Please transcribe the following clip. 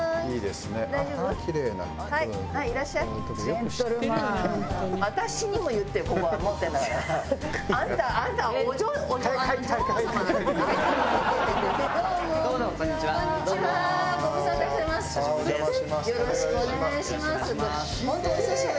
よろしくお願いします。